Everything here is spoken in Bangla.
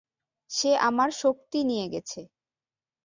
সে আমার শক্তি নিয়ে গেছে।